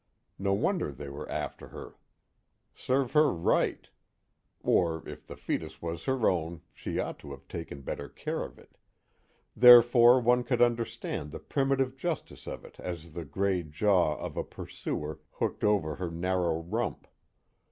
No wonder they were after her. Serve her right! (Or if the fetus was her own she ought to have taken better care of it) therefore one could understand the primitive justice of it as the gray jaw of a pursuer hooked over her narrow rump.